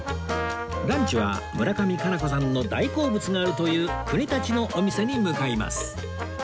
ランチは村上佳菜子さんの大好物があるという国立のお店に向かいます